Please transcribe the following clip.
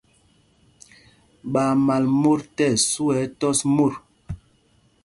Ɓaa mal mot tí ɛsu ɛ tɔs mot.